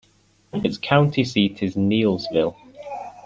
Its county seat is Neillsville.